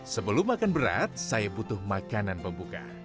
sebelum makan berat saya butuh makanan pembuka